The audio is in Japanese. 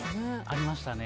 ありましたね。